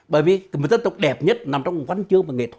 bởi vì một dân tộc đẹp nhất nằm trong văn chương và nghệ thuật